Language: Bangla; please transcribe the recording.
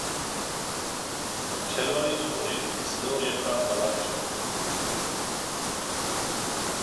খেলোয়াড়ী জীবনে তিনি স্লো লেফট-আর্ম বোলার হিসেবে খেলতেন।